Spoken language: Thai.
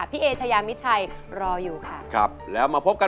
โทษใจโทษใจโทษใจโทษใจโทษใจโทษใจโทษใจโทษใจโทษใจโทษใจโทษใจ